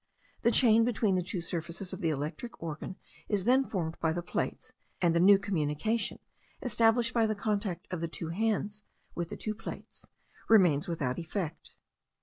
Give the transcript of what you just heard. The chain between the two surfaces of the electric organ is then formed by the plates, and the new communication, established by the contact of the two hands with the two plates, remains without effect.